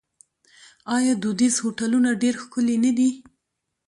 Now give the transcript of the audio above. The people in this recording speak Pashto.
آیا دودیز هوټلونه ډیر ښکلي نه دي؟